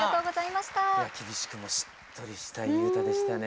厳しくもしっとりしたいい歌でしたね。